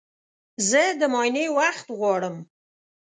زه د معاینې وخت غواړم.